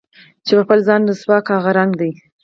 چې په خپله ځان رسوا كا هغه رنګ دے